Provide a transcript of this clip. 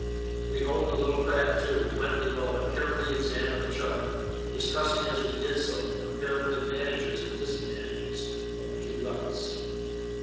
We hove the little craft to, and went below and carefully examined the chart; discussing, as we did so, the comparative advantages and disadvantages of the two routes.